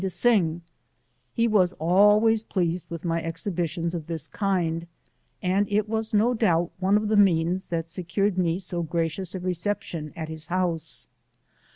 o sing ; he was always pleased with my exhibitions of this kind, audit was no doubt one of the means that secured me so gracious a reception at his house.